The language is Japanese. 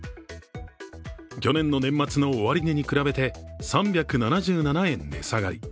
去年の年末の終値に比べて３７７円値下がり。